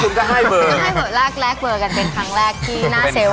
ทำไมวันรู้สึกกับเซเว่นมาเนี่ย